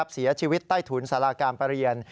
เสียชีวิตใต้ถุนสาราการประเรียน